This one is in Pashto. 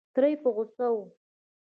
تره یې په غوسه و.